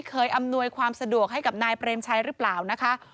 อำนวยความสะดวกให้กับนายเปรมชัยหรือเปล่านะคะ